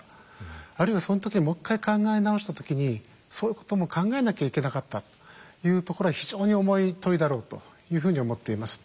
あるいはその時にもう一回考え直した時にそういうことも考えなきゃいけなかったというところは非常に重い問いだろうというふうに思っています。